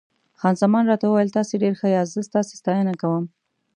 خان زمان راته وویل: تاسي ډېر ښه یاست، زه ستاسي ستاینه کوم.